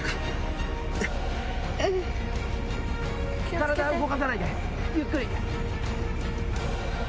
体は動かさないでゆっくり。